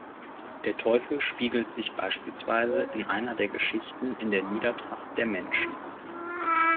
Der Teufel spiegelt sich beispielsweise in einer der Geschichten in der Niedertracht der Menschen.